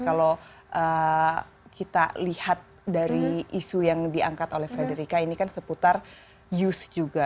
kalau kita lihat dari isu yang diangkat oleh frederica ini kan seputar use juga